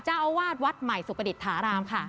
เจ้าอาวาสวัดใหม่สุประดิษฐารามค่ะ